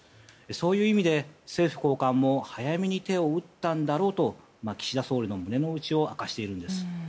そういう意味で、政府高官も早めに手を打ったんだろうと岸田総理の胸の内を明かしているんです。